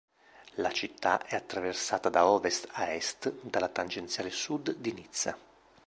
La città è attraversata da ovest a est dalla Tangenziale sud di Nizza.